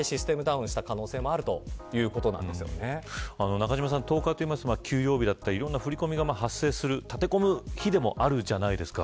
中島さん、１０日といいますと給料日だったりいろんな振り込みが発生する立て込む日でもあるじゃないですか。